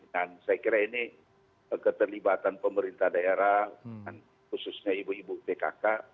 dan saya kira ini keterlibatan pemerintah daerah khususnya ibu ibu tkk